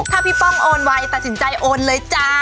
ถ้าพี่ป้องโอนไวตัดสินใจโอนเลยจ้า